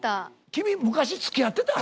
君昔つきあってた？